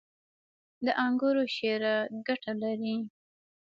• د انګورو شیره ګټه لري.